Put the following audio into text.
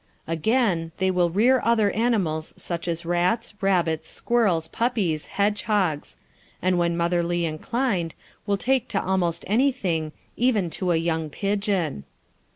Again, they will rear other animals such as rats, rabbits, squirrels, puppies, hedgehogs; and, when motherly inclined, will take to almost anything, even to a young pigeon.